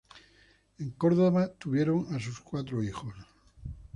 En Córdoba tuvieron a sus cuatro hijos.